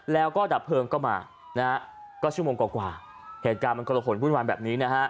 แล้วก็ดับเพลิงเข้ามาก็ชั่วโมงกว่าเหตุการณ์มันกระโหลขนวุ่นวานแบบนี้